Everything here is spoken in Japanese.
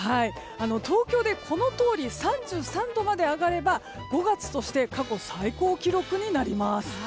東京でこのとおり３３度まで上がれば５月として過去最高記録となります。